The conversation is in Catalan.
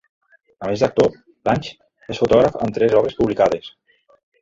A més d'actor, Lange és fotògraf amb tres obres publicades.